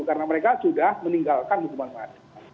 karena mereka sudah meninggalkan hukuman masyarakat